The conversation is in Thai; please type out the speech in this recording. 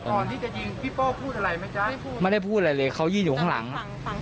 ก่อนที่จะยิงพี่โป้พูดอะไรไหมจ๊ะไม่ได้พูดอะไรเลยเขายืนอยู่ข้างหลัง